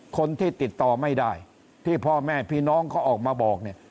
คนที่ติดต่อไม่ได้ที่พ่อแม่พี่น้องเขาออกมาบอกเนี่ย